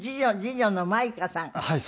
はい。